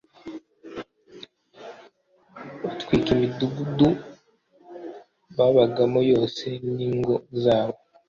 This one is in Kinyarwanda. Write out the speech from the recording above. Batwika imidugudu babagamo yose n ingo zabo